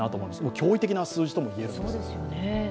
驚異的な数字ともいえるんですね。